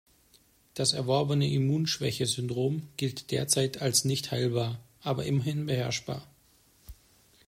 Das erworbene Immunschwächesyndrom gilt derzeit als nicht heilbar, aber immerhin beherrschbar.